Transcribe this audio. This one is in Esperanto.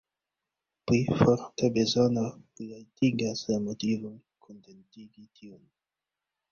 Pli forta bezono plialtigas la motivon kontentigi tiun.